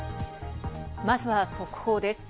まずは速報です。